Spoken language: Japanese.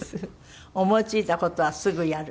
思い付いた事はすぐやる？